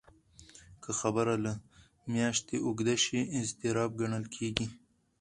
که خبره له میاشتې اوږده شي، اضطراب ګڼل کېږي.